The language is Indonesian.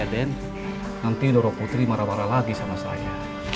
jangan marah marah lagi sama saya